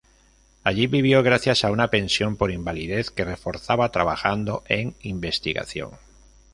Allí vivió gracias a una pensión por invalidez que reforzaba trabajando en investigación.